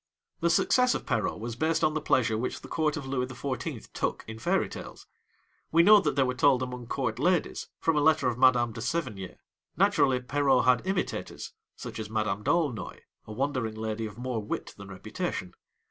The success of Perrault was based on the pleasure which the court of Louis XIV. took in fairy tales; we know that they were told among Court ladies, from a letter of Madame de Sévigné. Naturally, Perrault had imitators, such as Madame d'Aulnoy, a wandering lady of more wit than reputation.